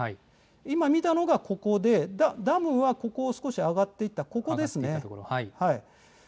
今、見たのがここで、ダムはここを少し上がっていったここですね。